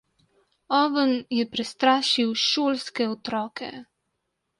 Oven je prestrašil šolske otroke.